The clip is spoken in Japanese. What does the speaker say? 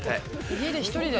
家で１人で？